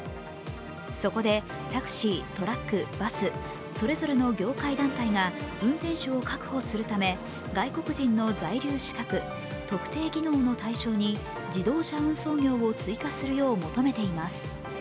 そこで、タクシー、トラック、バス、それぞれの業界団体が運転手を確保するため、外国人の在留資格特定技能の対象に自動車運送業を追加するよう求めています。